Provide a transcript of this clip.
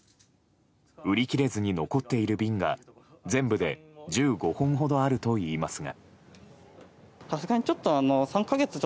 売り切れずに残っている瓶が全部で１５本ほどあるといいますが。